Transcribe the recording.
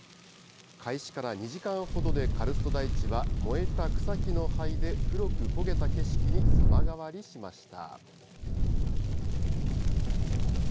開始から２時間ほどでカルスト台地は燃えた草木の灰で黒く焦げた景色に様変わりしました。